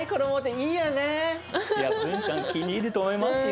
いやブンちゃん気に入ると思いますよ